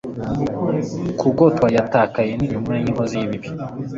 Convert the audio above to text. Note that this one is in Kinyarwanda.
kugotwa yatakaye nintumwa yinkozi y'ibibi